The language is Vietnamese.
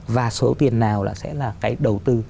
và số tiền nào là sẽ là cái đầu tư